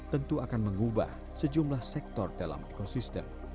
tentu akan mengubah sejumlah sektor dalam ekosistem